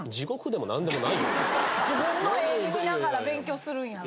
自分のＡ２見ながら勉強するんやろ？